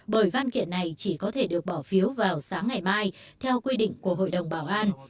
bởi văn kiện này chỉ có thể được bỏ phiếu vào sáng ngày mai theo quy định của hội đồng bảo an